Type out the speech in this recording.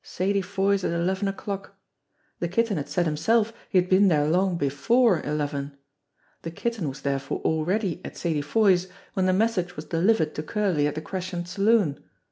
"Sadie Foy's at eleven o'clock." The Kitten had said himself he had been there long before eleven. The Kitten was therefore already at Sadie Foy's when the message was delivered to Curley at the Crescent Saloon.